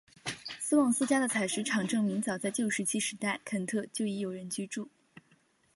斯旺斯扎的采石场证明早在旧石器时代肯特就已有人居住。